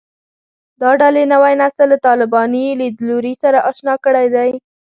دا ډلې نوی نسل له طالباني لیدلوري سره اشنا کړی دی